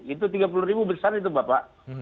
itu tiga puluh ribu besar itu bapak